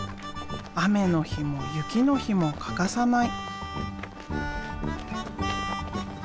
雨の日も雪の日も欠かさない。